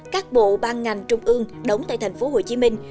các bộ ban ngành trung ương đóng tại thành phố hồ chí minh